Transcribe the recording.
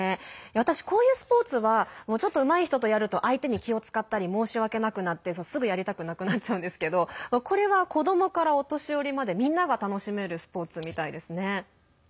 私、こういうスポーツはちょっとうまい人とやると相手に気を遣ったり申し訳なくなってすぐやりたくなくなっちゃうんですけどこれは子どもからお年寄りまでみんなが楽しめるスポーツみたいですね。